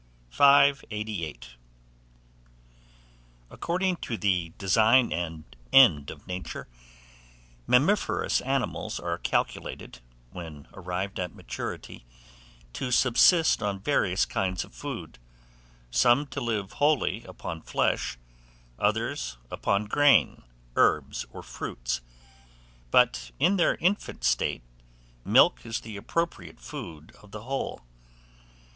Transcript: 588. ACCORDING TO THE DESIGN AND END OF NATURE, mammiferous animals are calculated, when arrived at maturity, to subsist on various kinds of food, some to live wholly upon flesh, others upon grain, herbs, or fruits; but in their infant state, milk is the appropriate food of the whole.